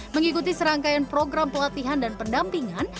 mengikuti serangkaian program pelatihan dan pendampingan